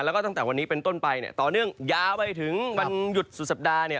แล้วก็ตั้งแต่วันนี้เป็นต้นไปเนี่ยต่อเนื่องยาวไปถึงวันหยุดสุดสัปดาห์เนี่ย